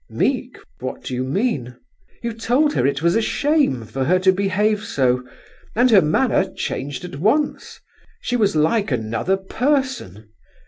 "Meek! What do you mean?" "You told her it was a shame for her to behave so, and her manner changed at once; she was like another person.